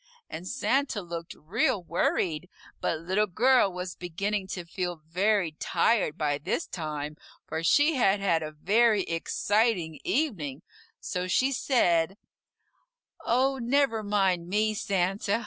and Santa looked real worried. But Little Girl was beginning to feel very tired by this time, for she had had a very exciting evening, so she said, "Oh, never mind me, Santa.